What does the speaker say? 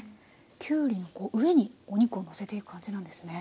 きゅうりの上にお肉をのせていく感じなんですね。